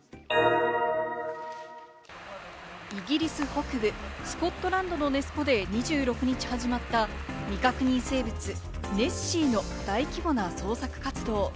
イギリス北部、スコットランドのネス湖で２６日始まった未確認生物・ネッシーの大規模な捜索活動。